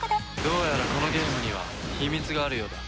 どうやらこのゲームには秘密があるようだ。